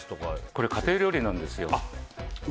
これ、家庭料理なんですよ。